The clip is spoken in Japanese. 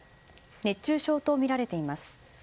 熱中症とみられています。